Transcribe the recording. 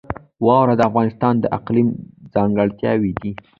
واوره د افغانستان د اقلیم ځانګړتیا ده.